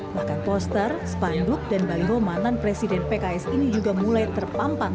bahkan poster spandung dan panggungnya juga berkubur